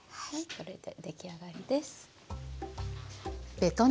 これで出来上がりです。